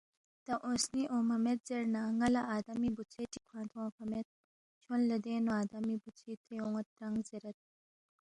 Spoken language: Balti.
تا اونگ سنی اونگما مید زیرنا، ن٘ا لہ آدمی بُوژھے چِک کھوانگ تھونگفا مید، چھون لہ دینگ نُو آدمی بُوژھی تری اون٘ید رنگ زیرید